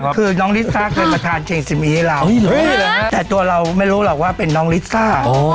คือน้องลิซ่าเคยมาทานเจซิมีให้เราแต่ตัวเราไม่รู้หรอกว่าเป็นน้องลิซ่า